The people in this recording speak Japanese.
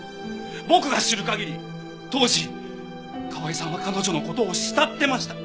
僕が知る限り当時河合さんは彼女の事を慕ってました。